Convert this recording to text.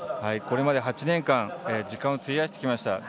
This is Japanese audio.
これまで８年間時間を費やしてきました。